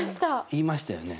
言いましたよね？